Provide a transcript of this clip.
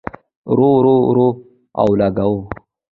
رور، رور، رور اولګوو